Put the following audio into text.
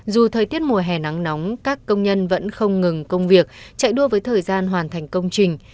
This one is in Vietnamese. dù thời tiết mùa hè nắng nóng các công nhân vẫn không ngừng công việc chạy đua với thời gian hoàn thành công trình